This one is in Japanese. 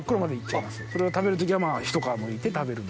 それを食べる時はひと皮むいて食べるんですけど。